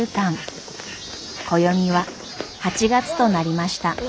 暦は８月となりました。